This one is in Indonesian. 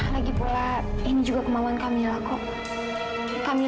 lagi pola ini juga kemauan kamera bali kham